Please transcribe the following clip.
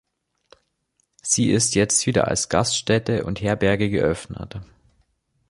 Sie ist jetzt wieder als Gaststätte und Herberge geöffnet.